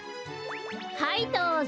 はいどうぞ。